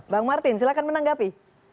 bang martin silahkan menanggapi